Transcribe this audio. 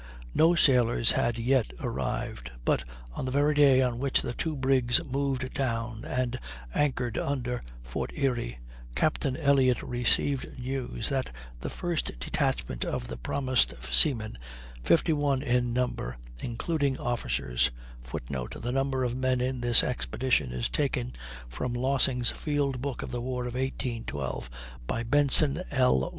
No sailors had yet arrived; but on the very day on which the two brigs moved down and anchored under Fort Erie, Captain Elliott received news that the first detachment of the promised seamen, 51 in number, including officers, [Footnote: The number of men in this expedition is taken from Lossing's "Field Book of the War of 1812," by Benson L.